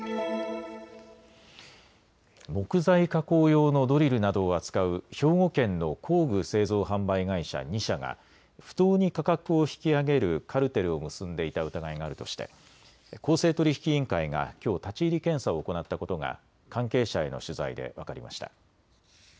木材加工用のドリルなどを扱う兵庫県の工具製造販売会社２社が不当に価格を引き上げるカルテルを結んでいた疑いがあるとして公正取引委員会がきょう立ち入り検査を行ったことが関係者への取材で分かりました。